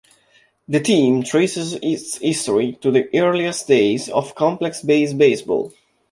The team traces its history to the earliest days of "complex-based" baseball.